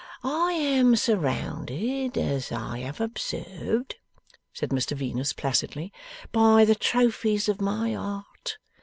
'I am surrounded, as I have observed,' said Mr Venus, placidly, 'by the trophies of my art.